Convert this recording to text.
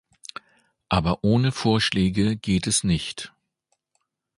Aber ohne Vorschläge geht es nicht.